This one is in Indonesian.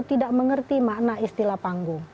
tidak mengerti makna istilah panggung